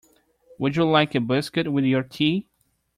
Would you like a biscuit with your tea?